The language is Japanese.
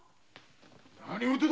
何事だ。